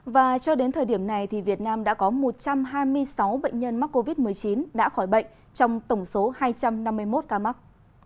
và cho đến thời điểm này việt nam đã có một trăm hai mươi sáu bệnh nhân mắc covid một mươi chín đã khỏi bệnh trong tổng số hai trăm năm mươi một ca mắc